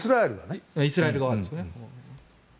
イスラエル側ですね。